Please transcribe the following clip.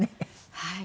はい。